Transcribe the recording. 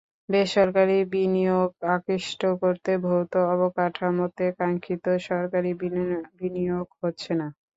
বেসরকারি বিনিয়োগ আকৃষ্ট করতে ভৌত অবকাঠামোতে কাঙ্ক্ষিত সরকারি বিনিয়োগ হচ্ছে না।